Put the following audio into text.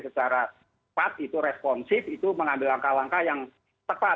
secara tepat itu responsif itu mengambil langkah langkah yang tepat